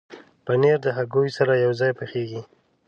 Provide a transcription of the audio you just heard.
پنېر د هګیو سره یوځای پخېږي.